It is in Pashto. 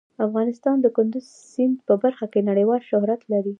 افغانستان د کندز سیند په برخه کې نړیوال شهرت لري.